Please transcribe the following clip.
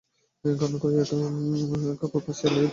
খানকয়েক কাপড় বাছিয়া লইয়া দ্রুতপদে ঘর হইতে চলিয়া গেল।